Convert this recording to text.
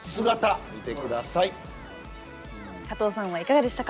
加藤さんはいかがでしたか？